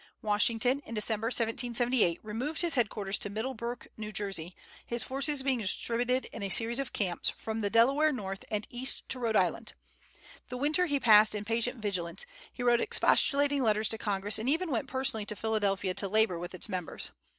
Washington, in December, 1778, removed his headquarters to Middlebrook, N.J., his forces being distributed in a series of camps from the Delaware north and east to Rhode Island. The winter he passed in patient vigilance; he wrote expostulating letters to Congress, and even went personally to Philadelphia to labor with its members.